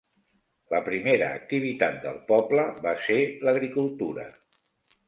La primera activitat del poble va ser l'agricultura.